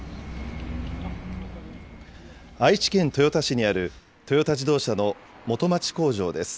愛知県豊田市にあるトヨタ自動車の元町工場です。